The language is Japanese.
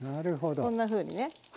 こんなふうにね。